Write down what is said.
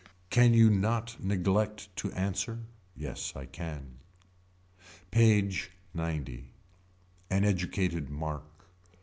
Can you not neglect to answer. Yes I can. PAGE XC. An educated mark.